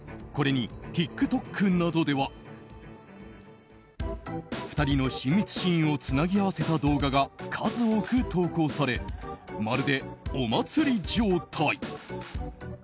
これにＴｉｋＴｏｋなどでは２人の親密シーンをつなぎ合わせた動画が数多く投稿されまるでお祭り状態。